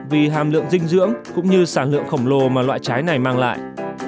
vì hàm lượng dinh dưỡng cũng như sản lượng khổng lồ mà loại trái này mang lại